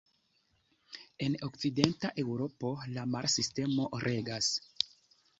En okcidenta Eŭropo, la mala sistemo regas.